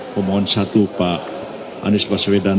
pemohon satu pak anies baswedan